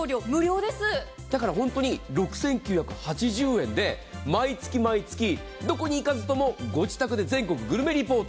だからホントに６９８０円で毎月毎月、どこに行かずともご自宅で全国グルメレポート。